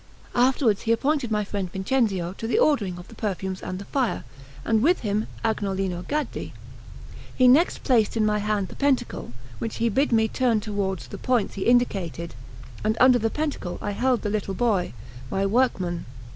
Afterwards he appointed my friend Vincenzio to the ordering of the perfumes and the fire, and with him Agnolino Gaddi. He next placed in my hand the pentacle, which he bid me turn toward the points he indicated, and under the pentacle I held the little boy, my workman.